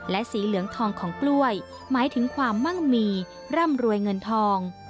และสีเหลืองทองของกล้วยหมายถึงความมั่งมีร่ำรวยเงินทอง